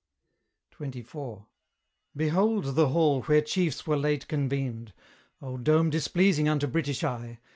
XXIV. Behold the hall where chiefs were late convened! Oh! dome displeasing unto British eye!